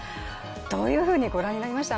どういうふうにご覧になりました？